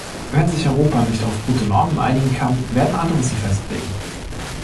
Wenn sich Europa nicht auf gute Normen einigen kann, werden andere sie festlegen.